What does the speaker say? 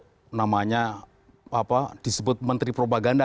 untuk namanya disebut menteri propaganda